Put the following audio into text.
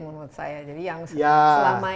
menurut saya jadi yang selama ini